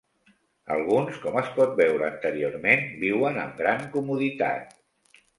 Alguns, com es pot veure anteriorment, viuen amb gran comoditat.